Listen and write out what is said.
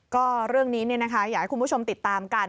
ก็เรื่องนี้อยากให้คุณผู้ชมติดตามกัน